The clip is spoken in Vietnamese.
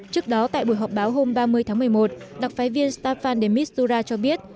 trước đó tại buổi họp báo hôm ba mươi tháng một mươi một đặc phái viên staffan demis zura cho biết